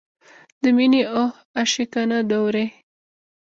د مینې اوه عاشقانه دورې.